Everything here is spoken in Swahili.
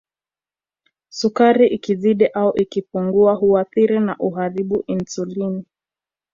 Sukari ikizidi au ikipungua huathiri na kuharibu Insulini